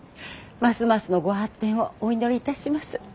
ますますのご発展をお祈りいたします。